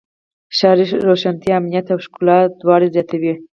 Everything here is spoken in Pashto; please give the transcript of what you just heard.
ښاري روښانتیا امنیت او ښکلا دواړه زیاتوي.